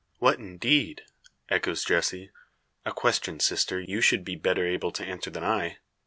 "What, indeed?" echoes Jessie. "A question, sister, you should be better able to answer than I.